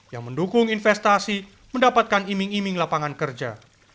yang mendukung investasi mendapatkan iming iming lapangan kerja